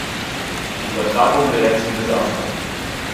Die Übertragung gerät zum Desaster.